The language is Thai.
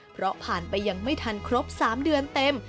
เพราะผ่านไปยังไม่ทันครบ๓เดือนเต็ม